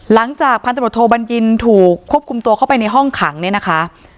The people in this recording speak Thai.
หลังจากพันธบทโทบัญญินถูกควบคุมตัวเข้าไปในห้องขังเนี่ยนะคะ